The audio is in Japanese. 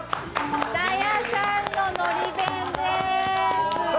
津多屋さんののり弁です。